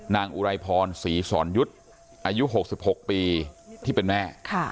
อุไรพรศรีสอนยุทธ์อายุ๖๖ปีที่เป็นแม่